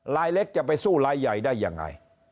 ลายเล็กจะไปสู้ลายใหญ่ได้ยังไง